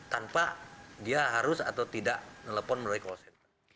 tanpa dia harus atau tidak telepon melalui call center